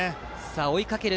追いかける